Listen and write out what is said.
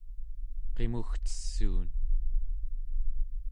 qimugcessuun